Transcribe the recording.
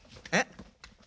えっ？